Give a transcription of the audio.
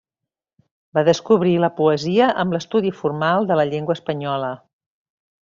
Va descobrir la poesia amb l'estudi formal de la llengua espanyola.